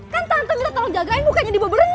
kan tante minta tolong jagain bukannya dibawa berenang